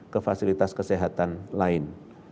ke fasilitas kesehatan lain